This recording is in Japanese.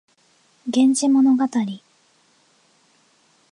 源氏物語